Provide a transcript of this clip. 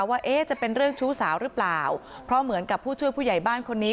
ว่าจะเป็นเรื่องชู้สาวหรือเปล่าเพราะเหมือนกับผู้ช่วยผู้ใหญ่บ้านคนนี้